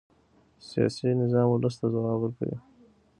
سیاسي نظام ولس ته ځواب ورکوي